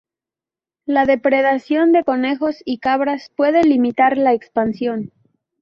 La depredación de conejos y cabras puede limitar la expansión.